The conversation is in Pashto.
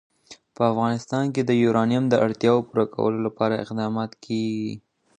په افغانستان کې د یورانیم د اړتیاوو پوره کولو لپاره اقدامات کېږي.